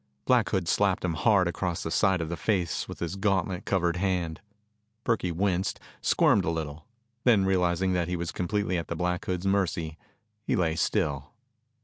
Black Hood slapped him hard across the side of the face with his gauntlet covered hand. Burkey winced, squirmed a little. Then realizing that he was completely at the Black Hood's mercy, he lay still.